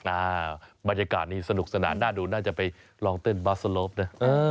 อ่าบรรยากาศนี้สนุกสนานน่าจะไปลองเต้นบาร์สโลฟนะ